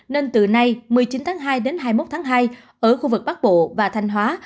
nên từ nay một mươi chín tháng hai đến hai mươi một tháng hai ở khu vực bắc bộ và thanh hóa